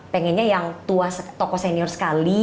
pengennya yang tua tokoh senior sekali